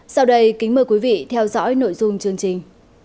sau đây kính mời quý vị theo dõi nội dung chương trình